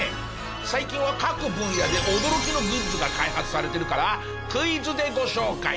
最近は各分野で驚きのグッズが開発されてるからクイズでご紹介！